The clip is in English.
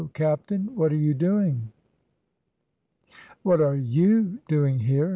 Captain. What are you doing? " "What are you doing here?"